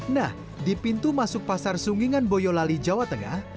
nah di pintu masuk pasar sunggingan boyolali jawa tengah